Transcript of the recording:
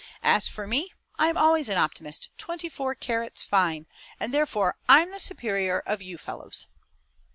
As for me, I'm always an optimist, twenty four carats fine, and therefore I'm the superior of you fellows."